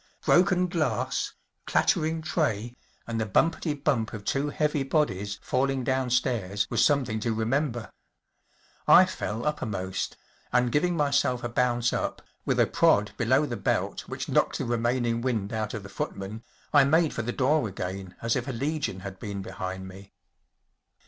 Broken glass, clattering tray, and the bumpety bump of two heavy bodies falling down stairs, was something to remember. I fell uppermost, and giving myself a bounce up, with a prod below the belt which knocked the remaining wind out of the footman, I made for the door again as if a legion had been behind me.